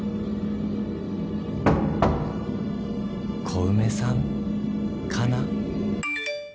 小梅さんかな？